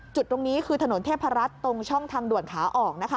จุดตรงนี้คือถนนเทพรัฐตรงช่องทางด่วนขาออกนะคะ